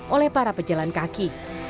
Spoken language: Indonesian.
oleh para pejalan kaki